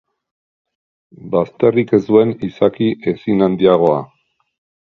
Bazterrik ez duen izaki ezin handiagoa.